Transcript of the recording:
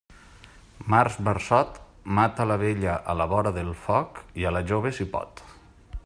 Març, marçot, mata la vella a la vora del foc i a la jove si pot.